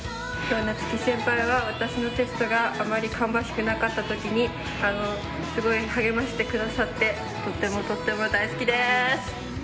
なつき先輩は私のテストがあまり芳しくなかった時にすごい励まして下さってとってもとっても大好きです。